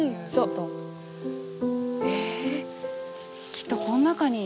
きっとこん中に。